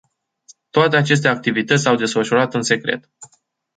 Toate aceste activități s-au desfășurat în secret.